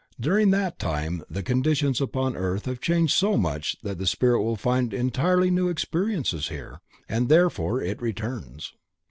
During that time the conditions upon earth have changed so much that the spirit will find entirely new experiences here, and therefore it returns.